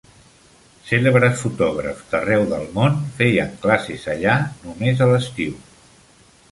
Cèlebres fotògrafs d'arreu del món feien classes allà només a l'estiu.